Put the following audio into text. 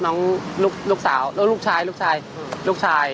น้องลูกสาวแล้วลูกชาย